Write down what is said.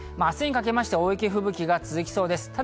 明日にかけまして大雪、吹雪が続きそうです。